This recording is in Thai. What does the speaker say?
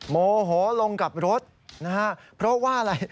โมโหลงกับรถนะฮะเพราะว่าอะไร